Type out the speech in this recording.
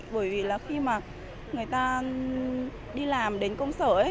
bởi vì là khi mà người ta đi làm đến công sở ấy